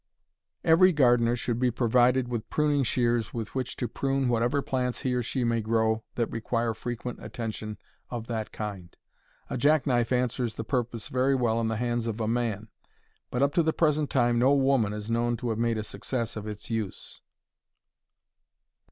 Every gardener should be provided with pruning shears with which to prune whatever plants he or she may grow that require frequent attention of that kind. A jack knife answers the purpose very well in the hands of a man, but up to the present time no woman is known to have made a success of its use.